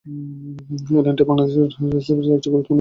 এই লাইনটি বাংলাদেশের রেলসেবায় একটি গুরুত্বপূর্ণ ভূমিকা পালন করে আসছে।